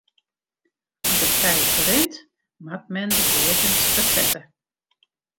As it tij ferrint moat men de beakens fersette.